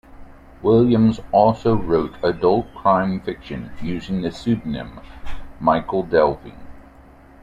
Williams also wrote adult crime fiction using the pseudonym Michael Delving.